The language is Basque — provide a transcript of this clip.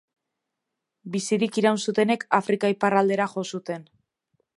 Bizirik iraun zutenek Afrika iparraldera jo zuten.